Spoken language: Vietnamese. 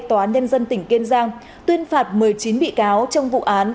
tỉnh kiên giang tuyên phạt một mươi chín bị cáo trong vụ án